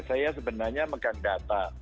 saya sebenarnya menggunakan data